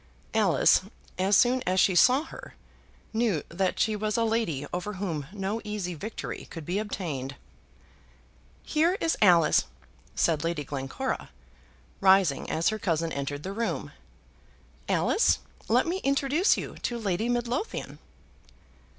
Alice, as soon as she saw her, knew that she was a lady over whom no easy victory could be obtained. "Here is Alice," said Lady Glencora, rising as her cousin entered the room. "Alice, let me introduce you to Lady Midlothian."